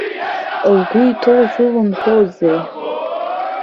Лгәы иҭоу зылымҳәозеи?